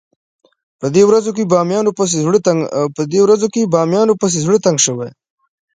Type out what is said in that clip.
په دې ورځو کې بامیانو پسې زړه تنګ شوی.